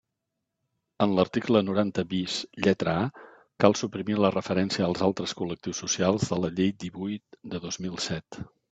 En l'article noranta bis, lletra a, cal suprimir la referència als altres col·lectius socials de la Llei divuit de dos mil set.